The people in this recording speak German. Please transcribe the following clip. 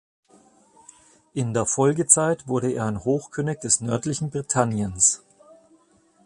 In der Folgezeit wurde er ein Hochkönig des nördlichen Britanniens.